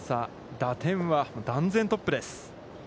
打点は断然トップです。